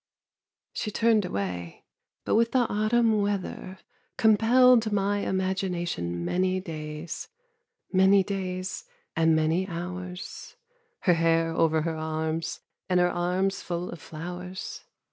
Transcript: She turned away, but with the autumn weather Compelled my imagination many days, Many days and many hours: Her hair over her arms and her arms full of flowers.